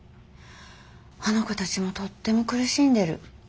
あの子たちもとっても苦しんでる。